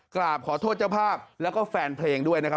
กราบขอโทษเจ้าภาพแล้วก็แฟนเพลงด้วยนะครับ